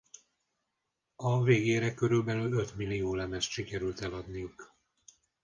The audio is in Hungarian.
A végére körülbelül ötmillió lemezt sikerült eladniuk.